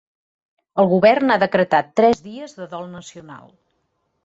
El govern ha decretat tres dies de dol nacional.